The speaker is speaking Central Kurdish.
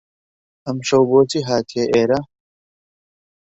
ئەمشەو بۆچی هاتیە ئێرە؟